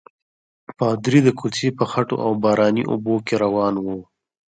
پادري د کوڅې په خټو او باراني اوبو کې روان وو.